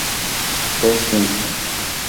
Es simple.